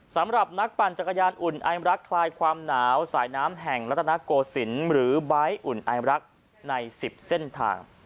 สำหรับนักปั่นจักรยานอุ่นไอรักคลายความหนาวสายน้ำแห่งรัฐนาโกศิลป์หรือใบ้อุ่นไอรักใน๑๐เส้นทาง